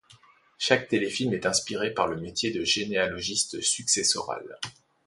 Chaque téléfilm est inspiré par le métier de généalogiste successoral.